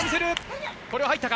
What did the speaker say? これは入ったか。